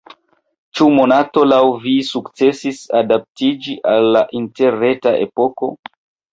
Ĉu Monato laŭ vi sukcesis adaptiĝi al la interreta epoko?